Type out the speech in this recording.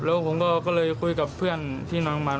แล้วผมก็เลยคุยกับเพื่อนที่นอนมัน